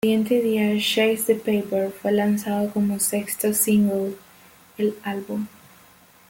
Al día siguiente, "Chase the Paper" fue lanzado como sexto single el álbum.